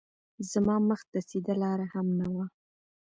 زما مخ ته سیده لار هم نه وه